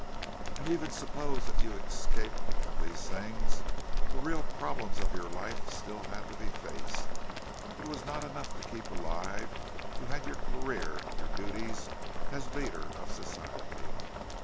And even suppose that you escaped from these things, the real problems of your life had still to be faced. It was not enough to keep alive; you had your career—your duties as a leader of Society.